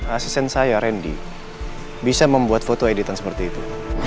asisten saya randy bisa membuat foto editan seperti itu